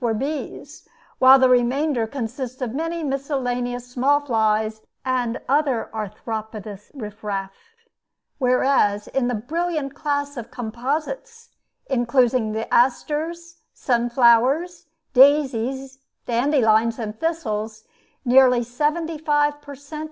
were bees, while the remainder consisted mainly of miscellaneous small flies and other arthropodous riff raff, whereas, in the brilliant class of composites, including the asters, sunflowers, daisies, dandelions, and thistles, nearly seventy five per cent.